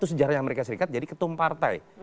sejarah amerika serikat jadi ketum partai